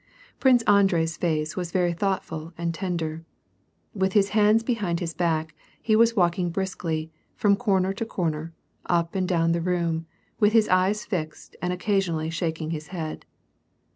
Prince Andrei's face was very thoughtful and tender. With hb hands behind his back, ha was walking briskly, from comer to comer, up and down the room, with his eyes fixed and occasionally shaking his head.